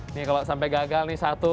nih kalau sampai gagal nih satu